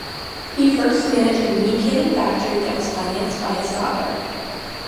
He first managed a meat canning factory that was financed by his father.